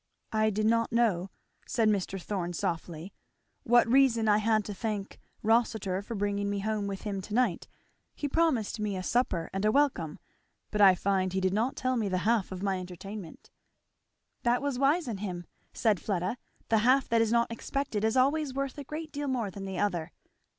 "I did not know," said Mr. Thorn softly, "what reason I had to thank Rossitur for bringing me home with him to night he promised me a supper and a welcome, but I find he did not tell me the half of my entertainment." "That was wise in him," said Fleda; "the half that is not expected is always worth a great deal more than the other."